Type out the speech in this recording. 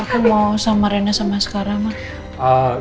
aku mau sama rena sama askarah mah